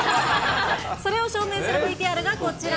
それを証明するＶＴＲがこちら。